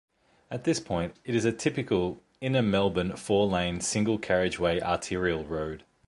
At this point, it is a typical inner-Melbourne, four lane, single carriageway arterial road.